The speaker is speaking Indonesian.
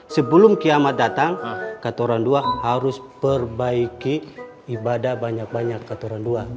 sebelum kiamat datang katoran dua harus perbaiki ibadah banyak banyak katoran dua